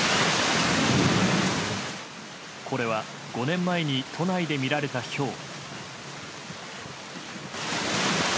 これは５年前に都内で見られたひょう。